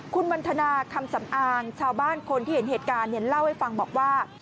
คุณวันทนาคำสำอางชาวบ้านคนที่เห็นเหตุการณ์เล่าให้ฟังบอกว่า